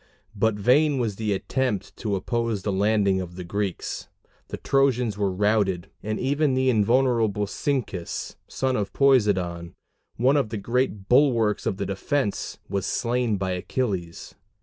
But vain was the attempt to oppose the landing of the Greeks: the Trojans were routed, and even the invulnerable Cyncus, son of Poseidon, one of the great bulwarks of the defense, was slain by Achilles.